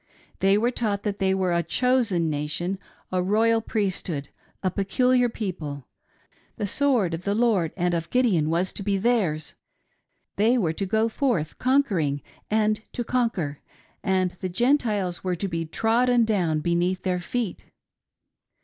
They were taught that they were " a chosen nation, a royal priesthood, a peculiar people" — the " Sword of the Lord and of Gideon" was to be theirs ; they were to go forth conquering and to conquer ; and the Gentiles were to be trodden down beneath their feet.